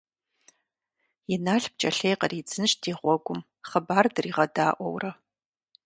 Инал пкӀэлъей къридзынщ ди гъуэгум, хъыбар дригъэдаӀуэурэ.